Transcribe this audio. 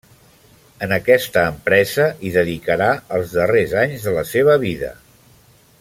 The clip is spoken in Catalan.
En aquesta empresa hi dedicarà els darrers anys de la seva vida.